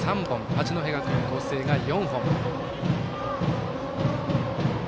八戸学院光星が４本。